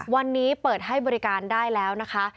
วันนี้เปิดให้บริการได้แล้วนะคะ